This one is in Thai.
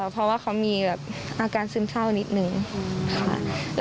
เพราะว่าเขามีอาการซึมเศร้านิดนึงค่ะ